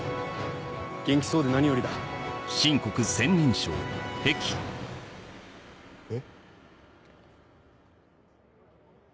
元気そうで何よりだ。え。